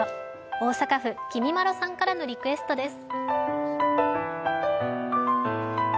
大阪府きみまろさんからのリクエストです。